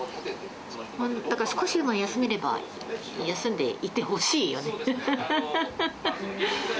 だから少しでも休めれば、休んでいてほしいよね。